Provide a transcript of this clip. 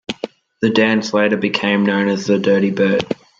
The dance later became known as the "Dirty Bird".